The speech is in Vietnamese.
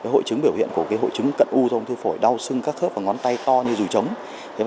hội chứng biểu hiện của hội chứng cận u của ung thư phổi đau sưng các khớp và ngón tay to như dùi trống